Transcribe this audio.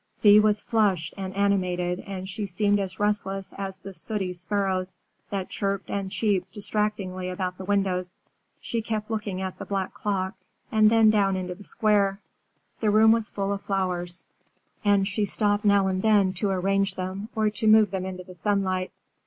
Thea was flushed and animated, and she seemed as restless as the sooty sparrows that chirped and cheeped distractingly about the windows. She kept looking at the black clock, and then down into the Square. The room was full of flowers, and she stopped now and then to arrange them or to move them into the sunlight.